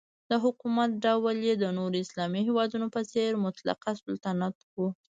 د حکومت ډول یې د نورو اسلامي هیوادونو په څېر مطلقه سلطنت و.